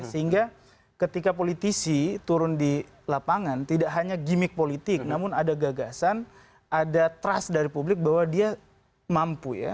sehingga ketika politisi turun di lapangan tidak hanya gimmick politik namun ada gagasan ada trust dari publik bahwa dia mampu ya